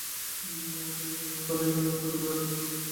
তিনি যেন কালীর কাছে তার পরিবারের আর্থিক উন্নতির জন্য প্রার্থনা জানান।